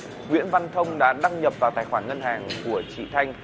nguyễn văn thông đã đăng nhập vào tài khoản ngân hàng của chị thanh